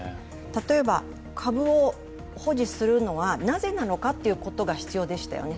例えば、株を保持するのはなぜなのかということが必要でしたよね。